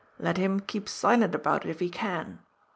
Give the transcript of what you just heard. Let him keep silent about it, if he can.